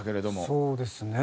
そうですね。